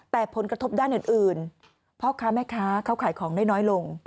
แต่ผลกระทบด้านอื่นพ่อค้าแม่ค้าเขาขายของได้น้อยลง